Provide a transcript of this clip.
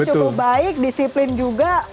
cukup baik disiplin juga